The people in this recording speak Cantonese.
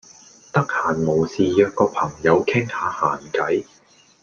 得閒無事約個朋友傾吓閒偈